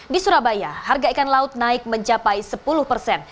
di surabaya harga ikan laut naik mencapai sepuluh persen